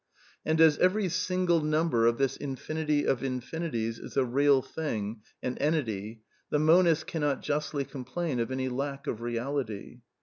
And as every single num THE NEW KEALISM 183 ber of this infinity of infinities is a real thing, an entity, the monist cannot justly complain of any lack of reality.